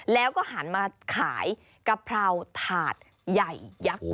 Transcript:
แล้วก็หันมาขายกะเพราถาดใหญ่ยักษ์